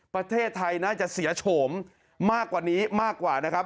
ประเทศไทยน่าจะเสียโฉมมากกว่านี้มากกว่านะครับ